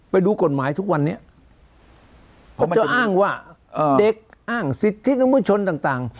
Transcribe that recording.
ไปดูกฎหมายทุกวันนี้ผมจะอ้างว่าเด็กอ้างสิทธินวชนต่าง